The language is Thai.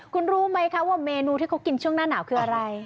คุณรู้ไหมคะว่าเมนูที่เขากินช่วงหน้าหนาวคืออะไร